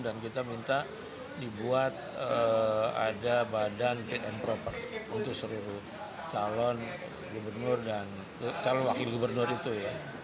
dan kita minta dibuat ada badan fit and proper untuk seluruh calon gubernur dan calon wakil gubernur itu ya